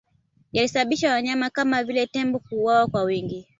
Yalisababisha wanyama kama vile tembo kuuawa kwa wingi